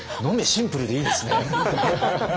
シンプルでいいですね。